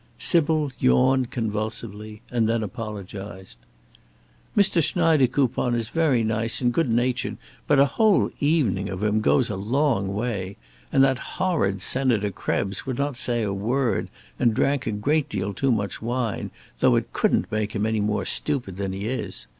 Sybil yawned convulsively and then apologized: "Mr. Schneidekoupon is very nice and good natured, but a whole evening of him goes a long way; and that horrid Senator Krebs would not say a word, and drank a great deal too much wine, though it couldn't make him any more stupid than he is.